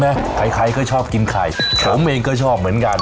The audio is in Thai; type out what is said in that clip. ใครใครก็ชอบกินไข่ผมเองก็ชอบเหมือนกัน